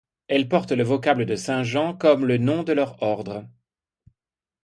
Elle porte le vocable de saint Jean, comme le nom de leur ordre.